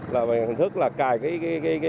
là bài hình thức là cài cái khẩu trang